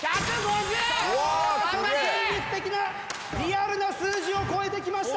現実的なリアルな数字を超えてきました！